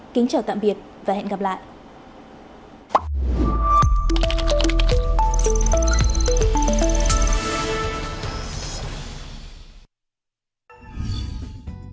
kính chào tạm biệt và hẹn gặp lại